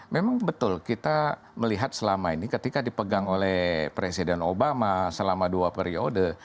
memang betul kita melihat selama ini ketika dipegang oleh presiden obama selama dua periode